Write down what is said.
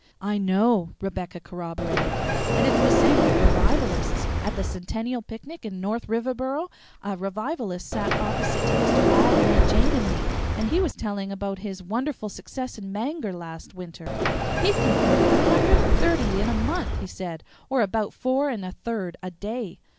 "I know," Rebecca corroborated; "and it's the same with revivalists. At the Centennial picnic at North Riverboro, a revivalist sat opposite to Mr. Ladd and Aunt Jane and me, and he was telling about his wonderful success in Bangor last winter. He'd converted a hundred and thirty in a month, he said, or about four and a third a day.